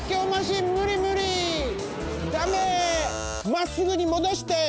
まっすぐにもどして！